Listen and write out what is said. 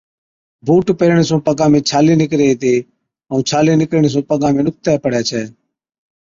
بُوٽ پيهرڻي سُون پگان ۾ ڇالي نِڪري هِتي، ائُون ڇالي نِڪرڻي سُون پگان ۾ ڏُکتَي پڙَي ڇَي۔